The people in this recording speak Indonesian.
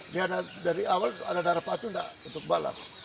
ini ada dari awal ada darah pacu untuk balap